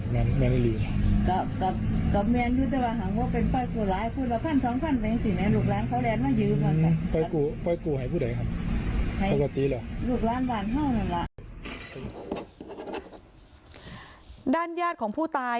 นายสถาพรศรีสางอายุ๒๓ปีลูกชายของผู้ตาย